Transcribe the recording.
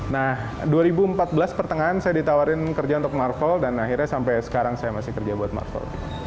nah dua ribu empat belas pertengahan saya ditawarin kerja untuk marvel dan akhirnya sampai sekarang saya masih kerja buat marvel